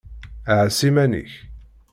Ɛass iman-ik.